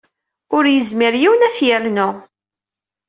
Ur yezmir yiwen ad t-yernu.